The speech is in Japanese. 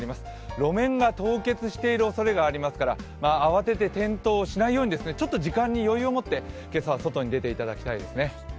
路面が凍結しているおそれがありますから、慌てて転倒しないようちょっと時間に余裕を持って、今朝は外に出ていただきたいですね。